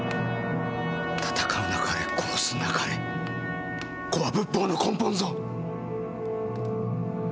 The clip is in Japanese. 戦うなかれ殺すなかれこは仏法の根本ぞ！